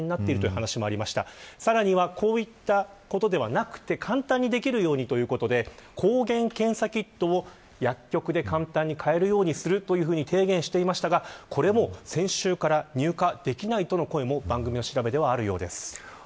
さらには簡単にできるようにということで抗原検査キットを薬局で簡単に買えるようにすると提言していますが、これも先週から入荷できないという声も番組調べではあるようです。